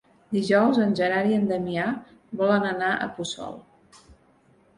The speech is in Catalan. Dijous en Gerard i en Damià volen anar a Puçol.